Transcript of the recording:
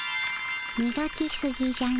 みがきすぎじゃの。